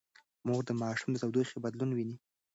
مور د ماشوم د تودوخې بدلون ويني.